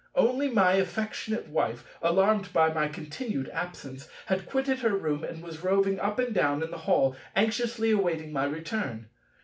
Only my affectionate Wife, alarmed by my continued absence, had quitted her room and was roving up and down in the Hall, anxiously awaiting my return.